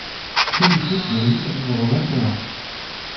Rue du Poundet au numéro vingt et un